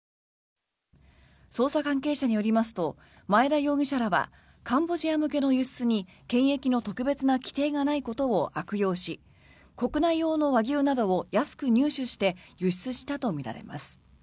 捜査関係者によりますと前田容疑者らはカンボジア向けの輸出に検疫の特別な規定がないことを悪用し国内用の和牛などを安く入手して輸出したとみられます。